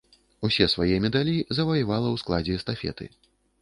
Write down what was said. Усе свае медалі заваявала ў складзе эстафеты.